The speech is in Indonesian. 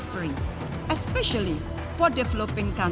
terutama untuk negara negara pembangunan